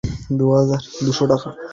শুধু থান্ডারের ছাপ আছে।